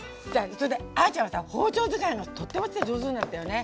それであちゃんはさ包丁使いがとっても上手になったよね。